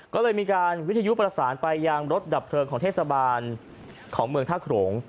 ก็เลยมีการวิทยุประสานไปยังรถดับเพลิงของเทศบาลของเมืองท่าโขลง